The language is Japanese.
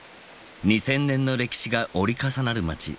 ２千年の歴史が折り重なる街